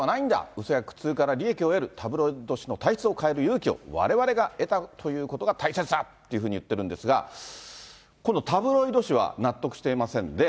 うそや苦痛から利益を得るタブロイド紙の体質を変える勇気を、われわれが得たということが大切だというふうに言ってるんですが、今度タブロイド紙は納得していませんで。